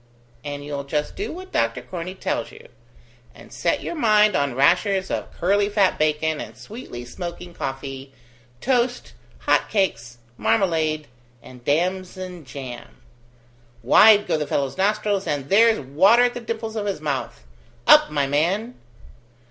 "And you'll just do what Doctor Corney tells you; and set your mind on rashers of curly fat bacon and sweetly smoking coffee, toast, hot cakes, marmalade, and damson jam. Wide go the fellow's nostrils, and there's water at the dimples of his mouth! Up, my man."